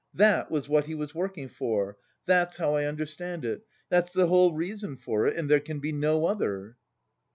That was what he was working for! That's how I understand it. That's the whole reason for it and there can be no other!"